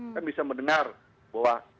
kan bisa mendengar bahwa